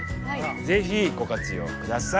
ぜひご活用ください。